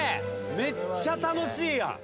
めっちゃ楽しいやん。